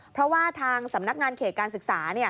เพราะว่าทางสำนักงานเขตการศึกษา